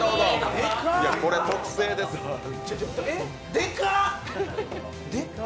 でかっ！